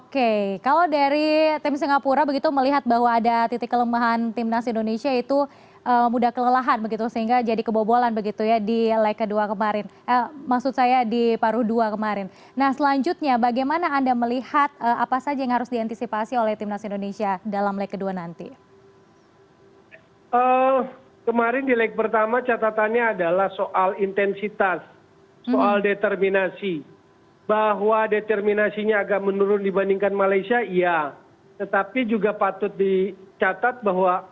seperti saya bilang bahwa dalam selang sudah tiga hari tentu tidak akan banyak hal yang secara taktikal akan drastis dirubah